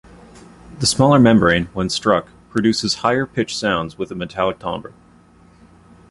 The smaller membrane, when struck, produces higher pitched sounds with a metallic timbre.